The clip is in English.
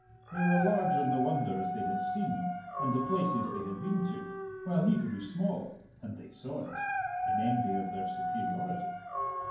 They were large on the wonders they had seen and the places they had been to, while he grew small (and they saw it) in envy of their superiority.